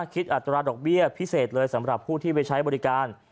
อัตราดอกเบี้ยพิเศษเลยสำหรับผู้ที่ไปใช้บริการ